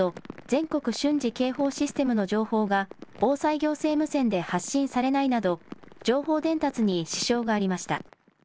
・全国瞬時警報システムの情報が防災行政無線で発信されないなど情報伝達に支障がありました。